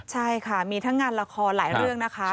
ใช่ค่ะมีทั้งงานละครหลายเรื่องนะคะ